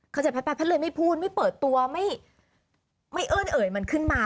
เข้าใจแพทย์ไปแพทย์เลยไม่พูดไม่เปิดตัวไม่เอิ้นเอ่ยมันขึ้นมา